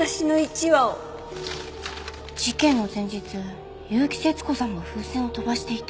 事件の前日結城節子さんも風船を飛ばしていた。